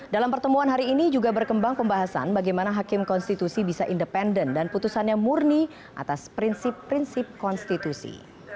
dalam pertemuan hari ini juga berkembang pembahasan bagaimana hakim konstitusi bisa independen dan putusannya murni atas prinsip prinsip konstitusi